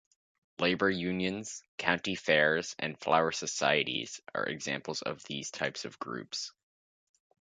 Labor unions, county fairs, and flower societies are examples of these types of groups.